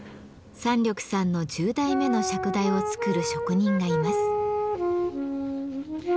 山緑さんの１０台目の釈台を作る職人がいます。